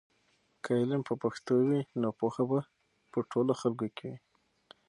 که علم په پښتو وي نو پوهه به په ټولو خلکو کې وي.